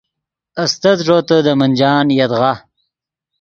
استت ݱوتے دے منجان یدغا